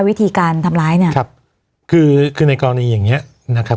วิธีการทำร้ายเนี่ยครับคือคือในกรณีอย่างเงี้ยนะครับ